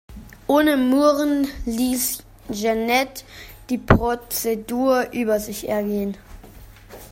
Ohne Murren ließ Jeanette die Prozedur über sich ergehen.